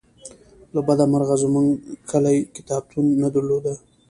له بده مرغه زمونږ کلي کتابتون نه درلوده